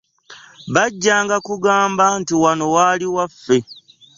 Bajjanga kugamba nti wano waali waffe.